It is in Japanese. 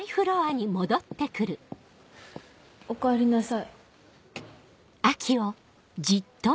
おかえりなさい。